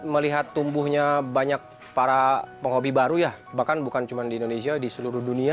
melihat tumbuhnya banyak para penghobi baru ya bahkan bukan cuma di indonesia di seluruh dunia